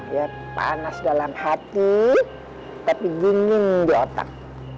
ya panas dalam hati tapi dingin di otak